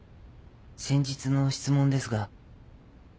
先日の質問ですが。